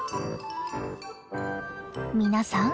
皆さん